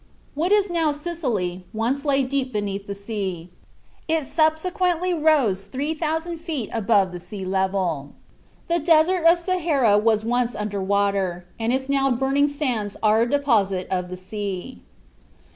What is now Sicily once lay deep beneath the sea: It subsequently rose 3000 feet above the sea level. The Desert of Sahara was once under water, and its now burning sands are a deposit of the sea.